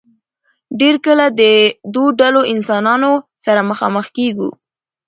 ډېر کله د دو ډلو انسانانو سره مخامخ کيږو